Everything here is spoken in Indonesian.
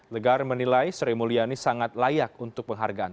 lagarde menilai sri mulyani sangat layak untuk menghadapinya